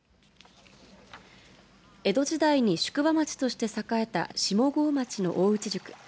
江戸時代に宿場町として栄えた下郷町の大内宿